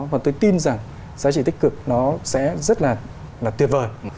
và tôi tin rằng giá trị tích cực nó sẽ rất là tuyệt vời